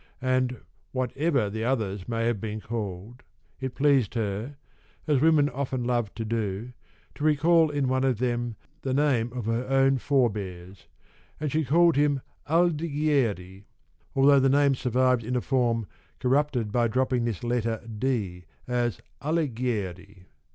And whatever the others may have been called, it pleased her, as women often love to do, to recall in one of them the name of her own forebears, and she called him Aldighieri, although the name survived, in a form corrupted by dropping this letter *d,' as Alighieri.